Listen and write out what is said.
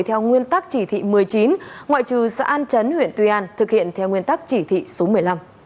theo nguyên tắc chỉ thị một mươi chín ngoại trừ xã an chấn huyện tuy an thực hiện theo nguyên tắc chỉ thị số một mươi năm